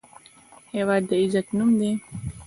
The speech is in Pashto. هېواد د عزت نوم دی.